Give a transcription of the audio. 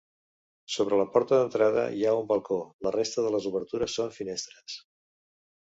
Sobre la porta d'entrada hi ha un balcó, la resta de les obertures són finestres.